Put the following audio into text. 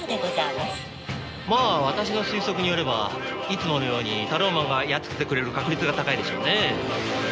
まあ私の推測によればいつものようにタローマンがやっつけてくれる確率が高いでしょうね。